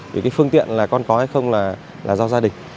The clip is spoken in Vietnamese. vì cái phương tiện là con có hay không là do gia đình